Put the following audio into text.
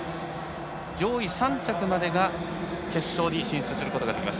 上位３着までが決勝に進出することができます。